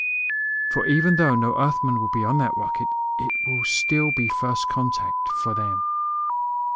For even though no Earthman will be on that rocket, it will still be first contact for them.